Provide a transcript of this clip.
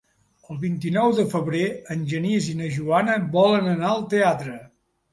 El vint-i-nou de febrer en Genís i na Joana volen anar al teatre.